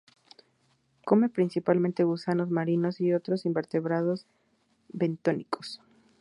Come principalmente gusanos marinos y otros invertebrados bentónicos.